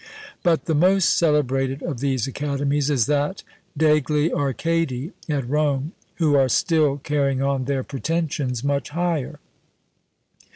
But the most celebrated of these academies is that "degli Arcadi," at Rome, who are still carrying on their pretensions much higher.